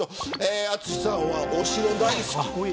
淳さんはお城大好き。